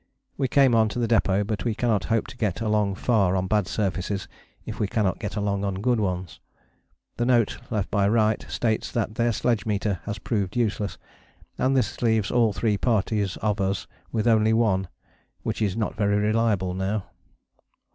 We came on to the depôt, but we cannot hope to get along far on bad surfaces if we cannot get along on good ones. The note left by Wright states that their sledge meter has proved useless, and this leaves all three parties of us with only one, which is not very reliable now.